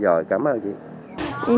rồi cảm ơn chị